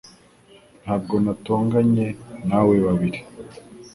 Ntabwo natonganye nawe babiri